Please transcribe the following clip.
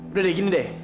udah deh gini deh